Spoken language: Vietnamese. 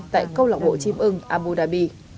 tại câu lọc bộ chim ưng abu dhabi